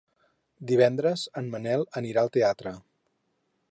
Divendres en Manel anirà al teatre.